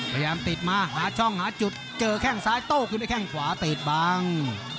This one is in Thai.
พยายามติดมาหาช่องหาจุดเจอแข้งซ้ายโต้ขึ้นด้วยแข้งขวาติดบัง